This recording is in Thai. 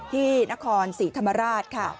ที่นครศรีธรรมราชค่ะ